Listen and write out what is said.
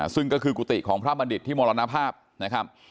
ซึ่งก็คือกุฏิของพระบัณฑิตที่มรณภาพนะครับ